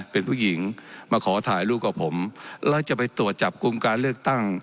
เป็นผู้หญิงมาขอถ่ายรูปกับผมแล้วจะไปตรวจจับกลุ่มการเลือกตั้ง